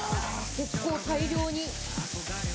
結構大量に。